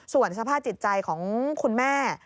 ส่วนสภาพจิตใจของคุณแม่